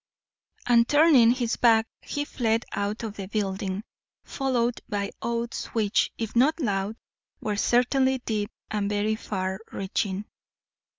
And turning his back he fled out of the building, followed by oaths which, if not loud, were certainly deep and very far reaching.